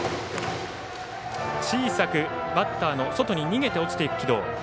小さくバッターの外に逃げていく軌道。